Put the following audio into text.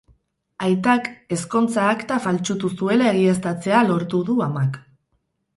Aitak ezkontza akta faltsutu zuela egiaztatzea lortu du amak.